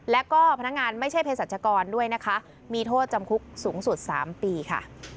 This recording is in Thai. แล้วก็พนักงานไม่ใช่เพศรัชกรด้วยนะคะมีโทษจำคุกสูงสุด๓ปีค่ะ